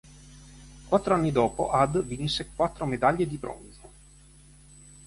Quattro anni dopo ad vinse quattro medaglie di bronzo.